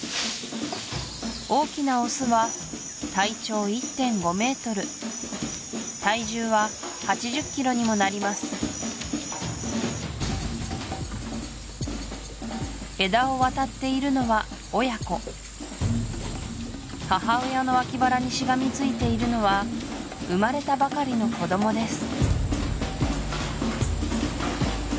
大きなオスは体長１．５ｍ体重は８０ｋｇにもなります枝を渡っているのは親子母親の脇腹にしがみついているのは生まれたばかりの子どもです